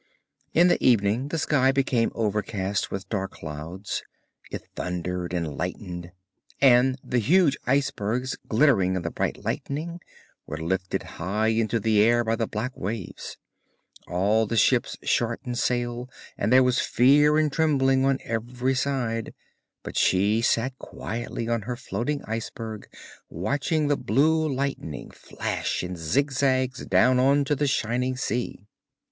In the evening the sky became overcast with dark clouds; it thundered and lightened, and the huge icebergs glittering in the bright lightning, were lifted high into the air by the black waves. All the ships shortened sail, and there was fear and trembling on every side, but she sat quietly on her floating iceberg watching the blue lightning flash in zigzags down on to the shining sea.